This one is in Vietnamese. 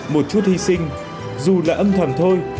một chút hy sinh dù là âm thầm thôi